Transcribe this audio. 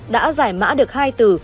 đã giải mã được hai từ